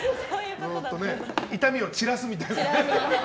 痛みを散らすみたいなね。